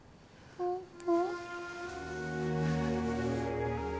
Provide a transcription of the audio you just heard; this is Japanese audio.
パパ。